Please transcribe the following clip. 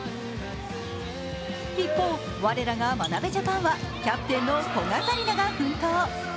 一方、我らが眞鍋ジャパンはキャプテンの古賀紗理那が奮闘。